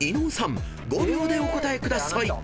５秒でお答えください］